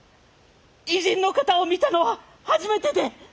異人の方を見たのは初めてで！